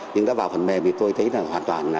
nhưng đã vào phần mềm thì tôi thấy là hoàn toàn